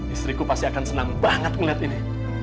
istriku pasti akan senang banget ngeliat ini